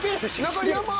残り４問！